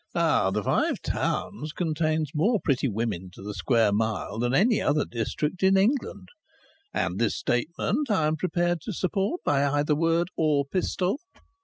Now the Five Towns contains more pretty women to the square mile than any other district in England (and this statement I am prepared to support by either sword or pistol).